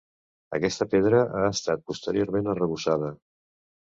Aquesta pedra ha estat posteriorment arrebossada.